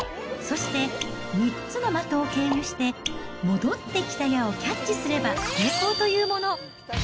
そして、３つの的を経由して戻ってきた矢をキャッチすれば成功というもの。